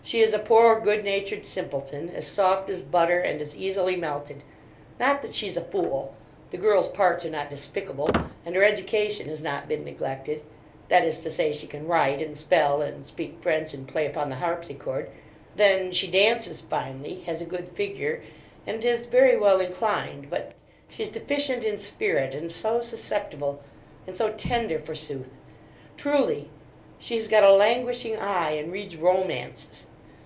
She is a poor good natured simpleton, as soft as butter, and as easily melted not that she's a fool the girl's parts are not despicable, and her education has not been neglected; that is to say, she can write and spell, and speak French, and play upon the harpsichord; then she dances finely, has a good figure, and is very well inclined; but, she's deficient in spirit, and so susceptible and so tender forsooth! truly, she has got a languishing eye, and reads romances.